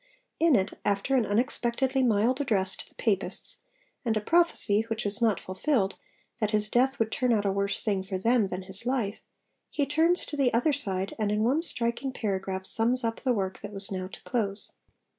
In it, after an unexpectedly mild address to the Papists, and a prophecy (which was not fulfilled) that his death would turn out a worse thing for them than his life, he turns to the other side, and in one striking paragraph sums up the work that was now to close.